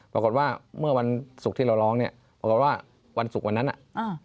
ปรากฏว่าเมื่อวันศุกร์ที่เราร้องเนี้ยปรากฏว่าวันศุกร์วันนั้นอ่ะอ่า